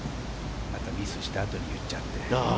またミスしたあとに言っちゃって。